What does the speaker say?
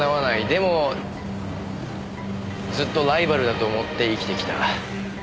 でもずっとライバルだと思って生きてきた。